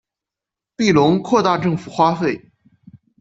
庇隆扩大政府花费。